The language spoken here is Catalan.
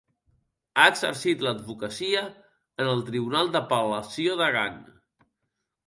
Ha exercit l'advocacia en el Tribunal d'Apel·lació de Gant.